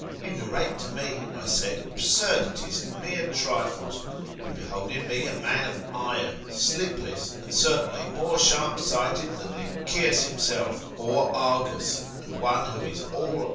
You narrate to me, I said, absurdities and mere trrfies. You behold in me a man of iron, sleepless, and certainly more sharp sighted than Lynceus himself, or Argus, and one who is all eye.